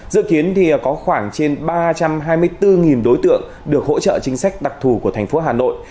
dự kiến có khoảng trên ba trăm hai mươi bốn đối tượng được hỗ trợ chính sách đặc thù của thành phố hà nội